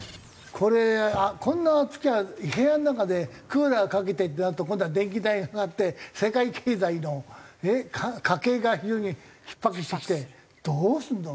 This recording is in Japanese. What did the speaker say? これこんな暑けりゃ部屋の中でクーラーかけてってなると今度は電気代が上がって世界経済の家計が非常に逼迫してきてどうするの。